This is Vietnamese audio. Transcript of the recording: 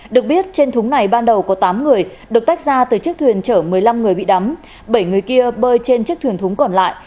được biết trên thúng này ban đầu có tám người được tách ra từ chiếc thuyền chở một mươi năm người bị đắm bảy người kia bơi trên chiếc thuyền thúng còn lại